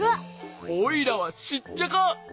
おいらはシッチャカ。